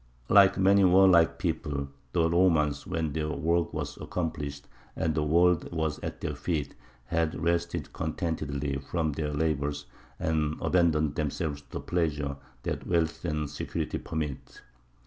Like many warlike peoples, the Romans, when their work was accomplished and the world was at their feet, had rested contentedly from their labours, and abandoned themselves to the pleasures that wealth and security permit.